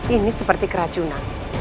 ini seperti keracunan